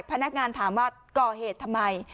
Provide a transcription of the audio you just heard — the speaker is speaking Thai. พนักงานถามว่าก่อเหตุทำไม